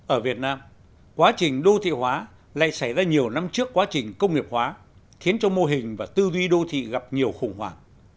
ở việt nam quá trình đô thị hóa lại xảy ra nhiều năm trước quá trình công nghiệp hóa khiến cho mô hình và tư duy đô thị gặp nhiều khủng hoảng